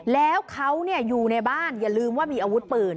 แล้วเขาอยู่ในบ้านอย่าลืมว่ามีอาวุธปืน